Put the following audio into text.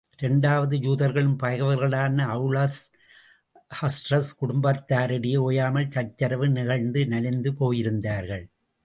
இரண்டாவது யூதர்களின் பகைவர்களான Aws, Khazraj குடும்பத்தாரிடையே ஓயாமல் சச்சரவு நிகழ்ந்து, நலிந்து போயிருந்தார்கள்.